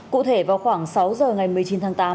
cụ thể vào khoảng sáu giờ ngày một mươi chín tháng tám